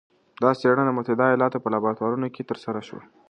دا څېړنه د متحده ایالتونو په لابراتورونو کې ترسره شوه.